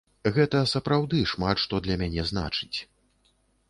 Гэта сапраўды шмат што для мяне значыць.